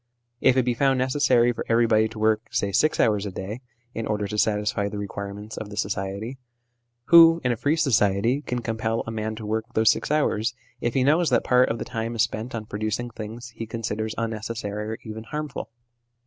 If it be found necessary for everybody to work, say, six hours a day, in order to satisfy the requirements of the society, who, in a free society, can compel a man to work those six hours, if he knows that part of the time is spent on producing things he considers unnecessary or even harmful